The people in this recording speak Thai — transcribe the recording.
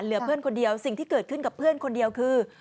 เหลือเพื่อนคนเดียวสิ่งที่เกิดขึ้นกับเพื่อนคนเดียวคือ